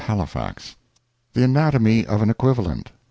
THE I04 THE ANATOMY OF AN EQUIVALENT.